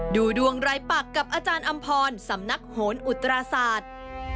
ดูดวงรายปักกับอาจารย์อำพรสำนักโหนอุตราศาสตร์